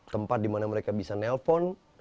tempat dimana mereka bisa nelpon